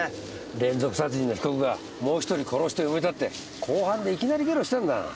連続殺人の被告がもう１人殺して埋めたって公判でいきなりゲロしたんだ。